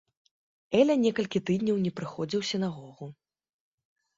Эля некалькі тыдняў не прыходзіў у сінагогу.